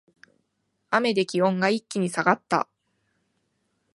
雨で気温が一気に下がった